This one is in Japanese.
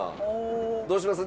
どうします？